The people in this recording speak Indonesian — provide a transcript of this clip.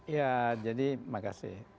ya jadi makasih